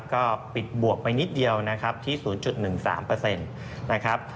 ก็ปิดบวกไปนิดเดียวนะครับที่๐๑๓นะครับ